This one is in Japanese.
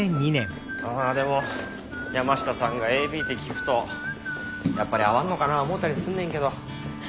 ああでも山下さんがＡＢって聞くとやっぱり合わんのかな思うたりすんねんけど。